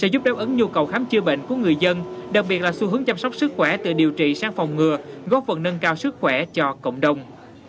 là một xu hướng chăm sóc sức khỏe từ điều trị sang phòng ngừa góp phần nâng cao sức khỏe cho cộng đồng